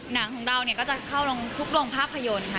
หนังของเราเนี่ยก็จะเข้าทุกโรงภาพยนตร์ค่ะ